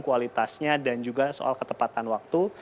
selain itu juga soal kecepatan waktu